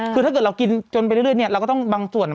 คือถ้าเกิดเรากินจนไปเรื่อยเนี่ยเราก็ต้องบางส่วน